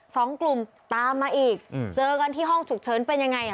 สองกลุ่มตามมาอีกอืมเจอกันที่ห้องฉุกเฉินเป็นยังไงอ่ะ